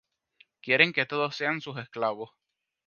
Quieren que todos sean sus esclavos.